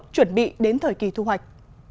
chuẩn bị đến thời kỳ thu hoạch